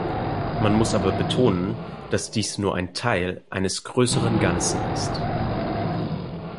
Man muss aber betonen, dass dies nur Teil eines größeren Ganzen ist.